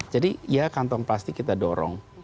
jadi ya kantong plastik kita dorong